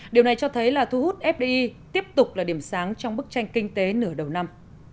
điều này cho thấy là thu hút fdi tiếp tục là điểm sáng trong bức tranh kinh tế nửa đầu năm